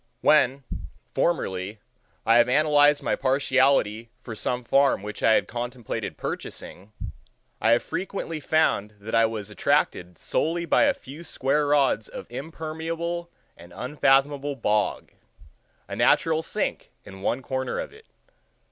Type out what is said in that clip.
When, formerly, I have analyzed my partiality for some farm which I had contemplated purchasing, I have frequently found that I was attracted solely by a few square rods of impermeable and unfathomable bog—a natural sink in one corner of it.